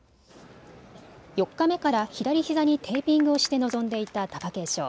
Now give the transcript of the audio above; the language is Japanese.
４日目から左ひざにテーピングをして臨んでいた貴景勝。